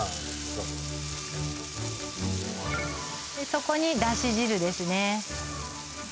そこにダシ汁ですね